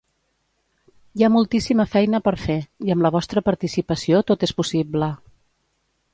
Hi ha moltíssima feina per fer, i amb la vostra participació tot és possible.